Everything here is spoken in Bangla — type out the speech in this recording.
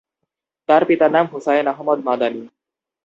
তার পিতার নাম হুসাইন আহমদ মাদানি।